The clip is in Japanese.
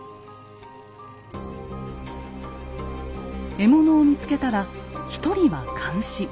獲物を見つけたら一人は監視。